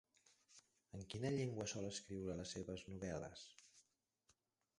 En quina llengua sol escriure les seves novel·les?